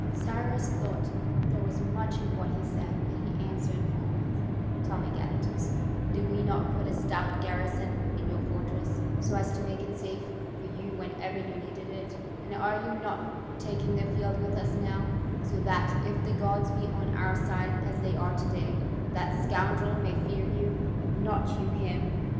Cyrus thought there was much in what he said, and he answered forthwith: "Tell me, Gadatas, did we not put a stout garrison in your fortress, so as to make it safe for you whenever you needed it, and are you not taking the field with us now, so that, if the gods be on our side as they are to day, that scoundrel may fear you, not you him?